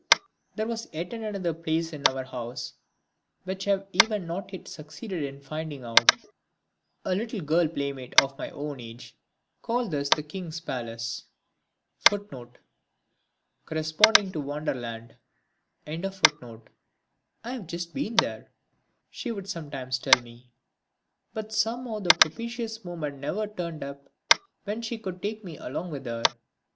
There was yet another place in our house which I have even yet not succeeded in finding out. A little girl playmate of my own age called this the "King's palace." "I have just been there," she would sometimes tell me. But somehow the propitious moment never turned up when she could take me along with her.